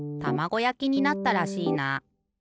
やきになったらしいな。